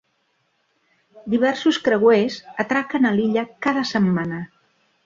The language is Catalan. Diversos creuers atraquen a l'illa cada setmana.